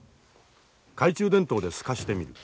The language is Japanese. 懐中電灯で透かしてみる。